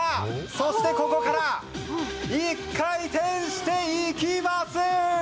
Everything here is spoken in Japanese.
そして、ここから１回転していきます！